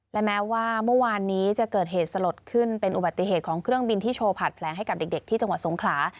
และแม้ว่าเมื่อวานนี้จะเกิดเหตุสลดขึ้นเป็นอุบัติเหตุของเครื่องบินที่โชว์ผลัดแผลงให้กับเด็กที่จังหวัดสงขลา